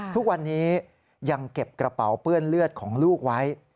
ทุกวันนี้ยังเก็บกระเป๋าเปื้อนเลือดของลูกไว้